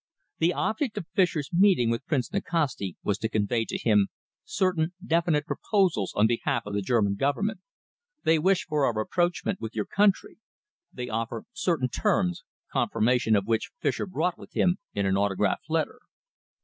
The object of Fischer's meeting with Prince Nikasti was to convey to him certain definite proposals on behalf of the German Government. They wish for a rapprochement with your country. They offer certain terms, confirmation of which Fischer brought with him in an autograph letter."